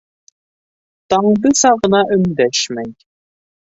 Таңдыса ғына өндәшмәй.